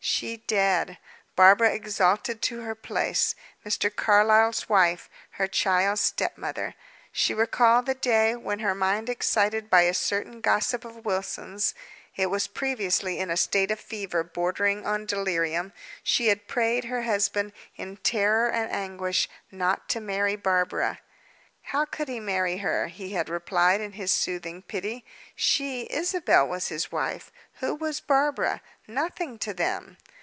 She dead! Barbara exalted to her place. Mr. Carlyle's wife, her child's stepmother! She recalled the day when, her mind excited by a certain gossip of Wilson's it was previously in a state of fever bordering on delirium she had prayed her husband, in terror and anguish, not to marry Barbara. "How could he marry her?" he had replied, in his soothing pity. "She, Isabel, was his wife. Who was Barbara? Nothing to them?"